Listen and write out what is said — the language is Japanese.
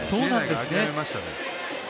諦めましたね。